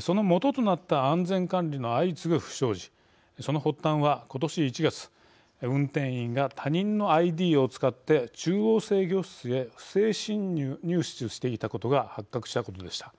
そのもととなった安全管理の相次ぐ不祥事その発端はことし１月運転員が他人のＩＤを使って中央制御室へ不正入室していたことが発覚したことでした。